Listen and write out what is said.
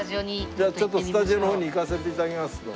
じゃあちょっとスタジオの方に行かせて頂きます。